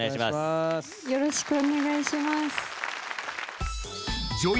よろしくお願いします。